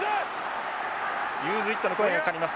ユーズイットの声がかかります。